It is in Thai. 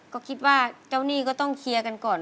ก็คิดว่าเจ้าหนี้ก็ต้องเคลียร์กันก่อน